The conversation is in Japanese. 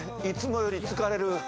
いつもより疲れる。